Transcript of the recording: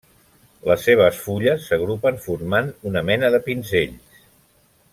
Les seves fulles s'agrupen formant una mena de pinzells.